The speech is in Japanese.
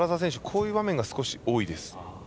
こういう場面が少し多いです。